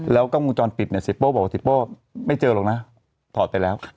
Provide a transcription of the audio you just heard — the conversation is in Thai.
กล้องวงจรปิดเนี่ยเสียโป้บอกว่าเสียโป้ไม่เจอหรอกนะถอดไปแล้ว